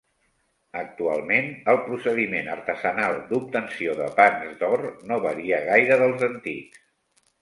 Actualment, el procediment artesanal d'obtenció de pans d'or no varia gaire dels antics.